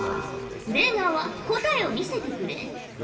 出川答えを見せてくれ。